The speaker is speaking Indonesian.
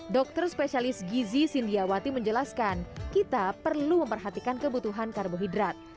dokter spesialis gizi sindiawati menjelaskan kita perlu memperhatikan kebutuhan karbohidrat